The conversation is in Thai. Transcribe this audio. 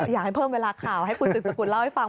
อยากให้เพิ่มเวลาข่าวให้คุณสืบสกุลเล่าให้ฟัง